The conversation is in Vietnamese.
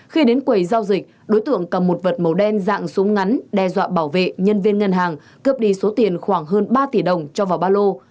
khi đến quầy giao dịch đối tượng cầm một vật màu đen dạng súng ngắn đe dọa bảo vệ nhân viên ngân hàng cướp đi số tiền khoảng hơn ba tỷ đồng cho vào ba lô